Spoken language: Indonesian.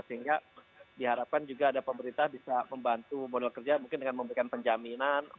sehingga diharapkan juga ada pemerintah bisa membantu modal kerja mungkin dengan memberikan penjaminan